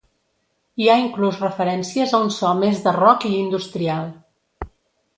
Hi ha inclús referències a un so més de rock i industrial.